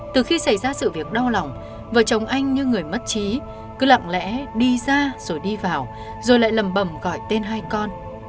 từ khi xảy ra sự việc đau lòng vợ chồng anh như người mất trí cứ lặng lẽ đi ra rồi đi vào rồi lại lầm bẩm gọi tên hai con